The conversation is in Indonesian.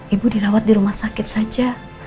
ibu dirawat di rumah sakit saja